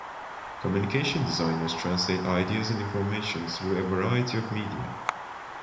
Communications designers translate ideas and information through a variety of media.